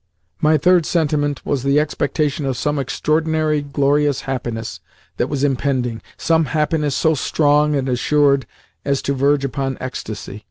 My third sentiment was the expectation of some extraordinary, glorious happiness that was impending some happiness so strong and assured as to verge upon ecstasy.